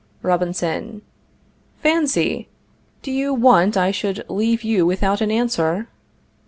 Robinson. Fancy! Do you want I should leave you without an answer?